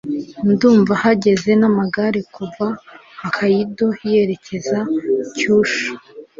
Ndumva yagenze n'amagare kuva Hokkaido yerekeza Kyushu